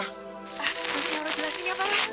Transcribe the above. ah masih harus jelasinnya pak